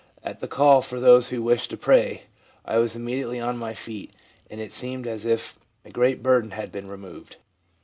At the call for those who wished prayer, I was immediately on my feet, and it seemed as if a great burden had been removed.'